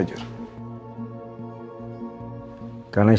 pernah nga dapat lahir